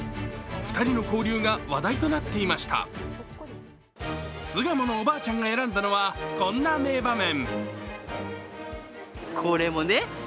２人の交流が話題となっていました巣鴨のおばあちゃんが選んだのはこんな名場面。